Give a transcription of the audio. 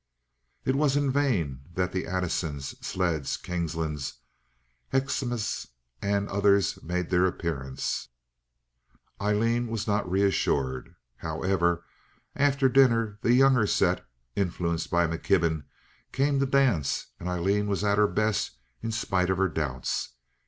It was in vain that the Addisons, Sledds, Kingslands, Hoecksemas, and others made their appearance; Aileen was not reassured. However, after dinner the younger set, influenced by McKibben, came to dance, and Aileen was at her best in spite of her doubts.